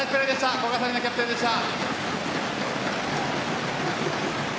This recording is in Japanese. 古賀紗理那キャプテンでした。